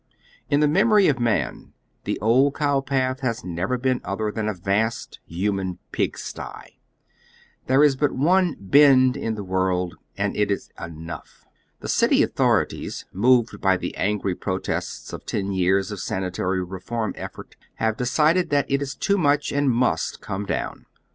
In the memory of man the old cow path has never been other than a vast hnman pig sty. There is but one " Bend " in the world, and it is enough. The city authorities, moved by the angi'y pi otests of ten years of sanitary reform effort, have decided that it is too much and must come down.